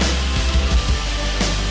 apa sih lu